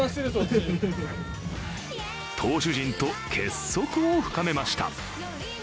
投手陣と結束を深めました。